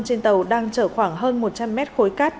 trên tàu đang chở khoảng hơn một trăm linh mét khối cát